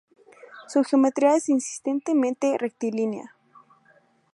Su geometría es insistentemente rectilínea.